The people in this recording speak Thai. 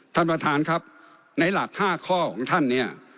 ท่านประธานครับในหลัก๕ข้อของท่านเนี่ย